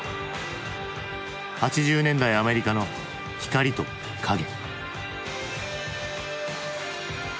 ８０年代アメリカの光と影。